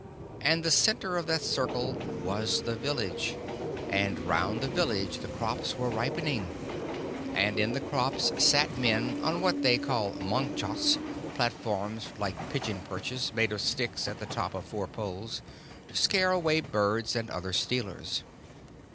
And the center of that circle was the village, and round the village the crops were ripening, and in the crops sat men on what they call machans platforms like pigeon perches, made of sticks at the top of four poles to scare away birds and other stealers.